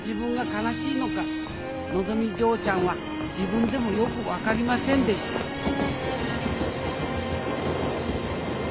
のぞみ嬢ちゃんは自分でもよく分かりませんでしたえ？